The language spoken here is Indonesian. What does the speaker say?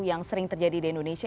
yang sering terjadi di indonesia